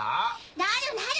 なるなる！